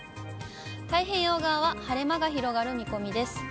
太平洋側は晴れ間が広がる見込みです。